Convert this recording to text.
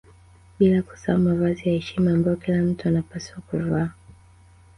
Bila kusahau mavazi ya heshima ambayo kila mtu anapaswa kuvaa